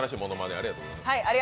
ありがとうございます